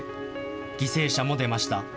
犠牲者も出ました。